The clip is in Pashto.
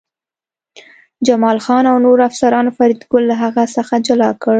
جمال خان او نورو افسرانو فریدګل له هغه څخه جلا کړ